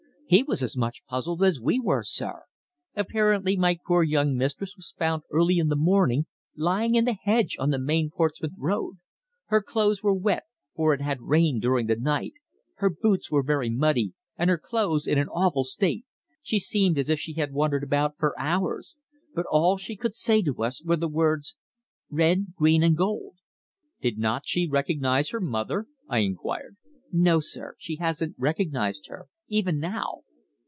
"He was as much puzzled as we were, sir. Apparently my poor young mistress was found early in the morning lying in the hedge on the main Portsmouth Road. Her clothes were wet, for it had rained during the night. Her boots were very muddy, and her clothes in an awful state. She seemed as if she had wandered about for hours. But all she could say to us were the words: 'Red, green and gold.'" "Did not she recognize her mother?" I inquired. "No, sir. She hasn't recognized her even now!"